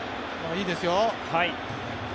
いいですよ。